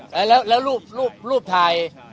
แล้วรูปถ่าย